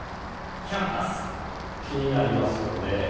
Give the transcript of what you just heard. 気になりますよねぇ。